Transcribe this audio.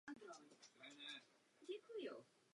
Turnaj zakončil jako lídr bodování s osmi body.